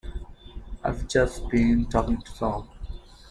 I've just been talking to Tom.